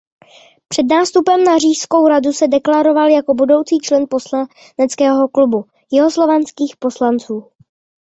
Před nástupem na Říšskou radu se deklaroval jako budoucí člen poslaneckého klubu jihoslovanských poslanců.